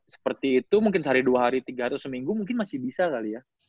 seperti itu mungkin sehari dua hari tiga atau seminggu mungkin masih bisa kali ya